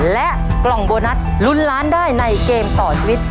และกล่องโบนัสลุ้นล้านได้ในเกมต่อชีวิต